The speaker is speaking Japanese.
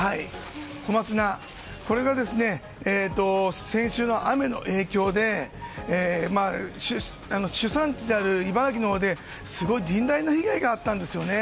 これが先週の雨の影響で主産地である茨城のほうで甚大な被害があったんですね。